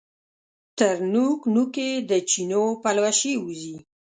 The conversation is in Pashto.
تر نوک، نوک یې د چینو پلوشې وځي